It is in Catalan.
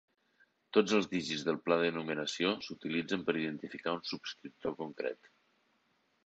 Tots els dígits del pla de numeració s'utilitzen per identificar un subscriptor concret.